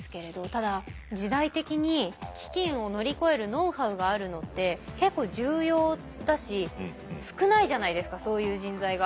ただ時代的に飢きんを乗り越えるノウハウがあるのって結構重要だし少ないじゃないですかそういう人材が。